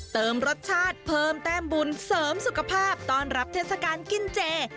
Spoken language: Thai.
เติมรสชาติเพิ่มแต้มบุญเสริมสุขภาพต้อนรับเทศกาลกินเจ